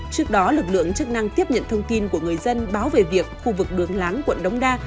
trước đó lực lượng chức năng tiếp nhận thông tin của người dân báo về việc khu vực đường láng quận đống đa